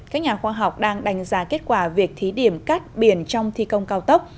các nhà khoa học đang đánh giá kết quả việc thí điểm cắt biển trong thi công cao tốc